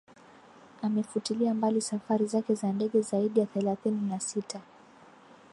amefutilia mbali safari zake za ndege zaidi ya thelathini na sita